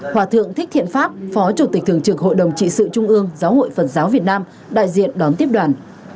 hòa thượng thích thiện pháp phó chủ tịch thường trực hội đồng trị sự trung ương giáo hội phật giáo việt nam đại diện đón tiếp đoàn